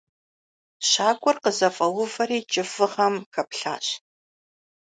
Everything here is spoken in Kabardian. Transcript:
Щакӏуэр къызэфӏэувэри кӏыфӏыгъэм хэплъащ.